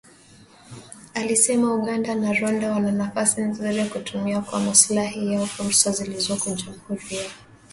Alisema Uganda na Rwanda wana nafasi nzuri ya kutumia kwa maslahi yao fursa zilizoko Jamhuri ya kidemokrasia ya Kongo.